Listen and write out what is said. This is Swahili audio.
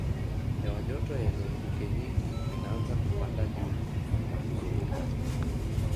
Hewa joto yenye mvuke nyingi inaanza kupanda juu na kuzunguka.